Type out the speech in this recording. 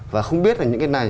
và không biết là những cái này